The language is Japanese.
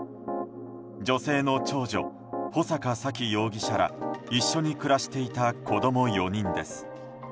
女性の長女・穂坂沙喜容疑者ら一緒に暮らしていた子供４人です。